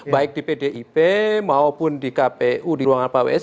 baik di pdip maupun di kpu di ruangan pak ws